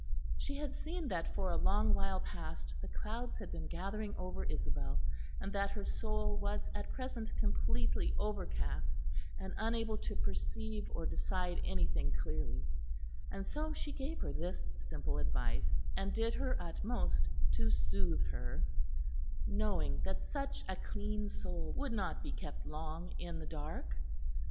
She had seen that for a long while past the clouds had been gathering over Isabel, and that her soul was at present completely overcast and unable to perceive or decide anything clearly; and so she gave her this simple advice, and did her utmost to soothe her, knowing that such a clean soul would not be kept long in the dark.